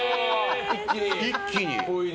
一気に。